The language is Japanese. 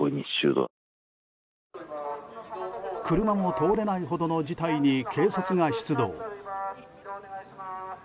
車も通れないほどの事態に警察が出動。